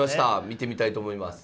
見てみたいと思います。